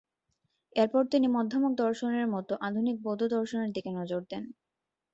এরপর তিনি মধ্যমক দর্শনের মতো আধুনিক বৌদ্ধ দর্শনের দিকে নজর দেন।